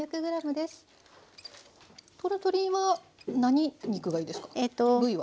この鶏は何肉がいいですか部位は。